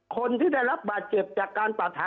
คนที่ได้รับบาดเจ็บจากการตัดหา